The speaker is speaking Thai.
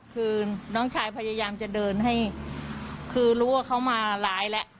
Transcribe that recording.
คือน้องชายพยายามจะเดินให้คือรู้ว่าเขามาร้ายแล้ว